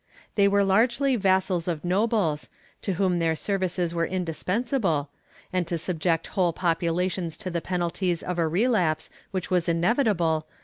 They were largely vassals of nobles, to whom their services were indispensable, and to subject whole populations to the penalties of a relapse which was inevitable was a prospect ' Archive de Simancas, Inq.